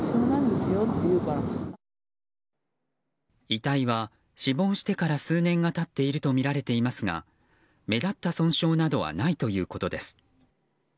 遺体は死亡してから数年が経っているとみられますが目立った損傷などはないということです。